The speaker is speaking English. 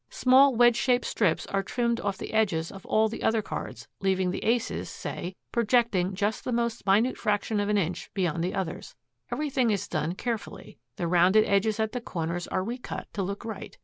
Small wedge shaped strips are trimmed off the edges of all the other cards, leaving the aces, say, projecting just the most minute fraction of an inch beyond the others. Everything is done carefully. The rounded edges at the corners are recut to look right.